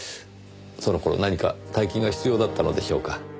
そのころ何か大金が必要だったのでしょうか？